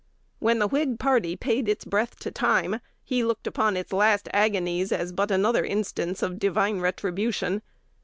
When the Whig party "paid its breath to time," he looked upon its last agonies as but another instance of divine retribution.